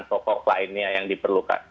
nah pokok lainnya yang diperlukan